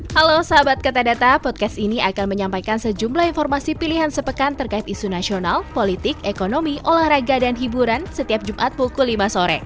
halo sahabat kata podcast ini akan menyampaikan sejumlah informasi pilihan sepekan terkait isu nasional politik ekonomi olahraga dan hiburan setiap jumat pukul lima sore